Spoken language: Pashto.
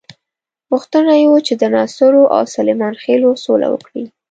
غوښتنه یې وه چې د ناصرو او سلیمان خېلو سوله وکړي.